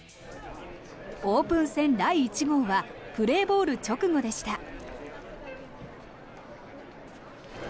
オープン戦第１号はプレーボール直後でした。